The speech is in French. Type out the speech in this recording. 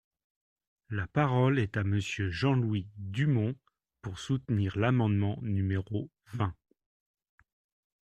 La parole est à Monsieur Jean-Louis Dumont, pour soutenir l’amendement numéro vingt.